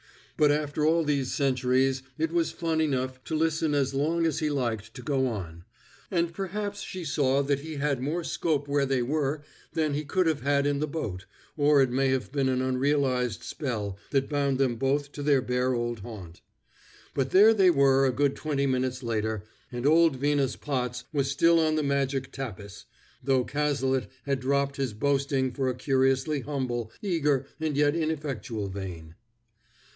But after all these centuries it was fun enough to listen as long as he liked to go on; and perhaps she saw that he had more scope where they were than he could have had in the boat, or it may have been an unrealized spell that bound them both to their bare old haunt; but there they were a good twenty minutes later, and old Venus Potts was still on the magic tapis, though Cazalet had dropped his boasting for a curiously humble, eager and yet ineffectual vein.